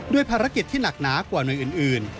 ภารกิจที่หนักหนากว่าหน่วยอื่น